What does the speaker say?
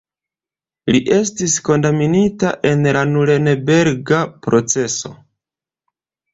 Li estis kondamnita en la Nurenberga proceso.